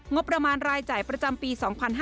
งบประมาณรายจ่ายประจำปี๒๕๕๙